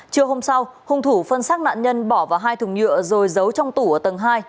trưa hôm sau hung thủ phân xác nạn nhân bỏ vào hai thùng nhựa rồi giấu trong tủ ở tầng hai